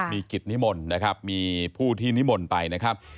มีกิจนิมนต์นะครับมีผู้ที่นิมนต์ไปนะครับ